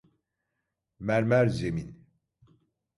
Mermer zemin.